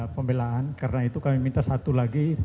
pembelaan karena itu kami minta satu lagi